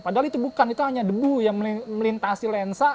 padahal itu bukan itu hanya debu yang melintasi lensa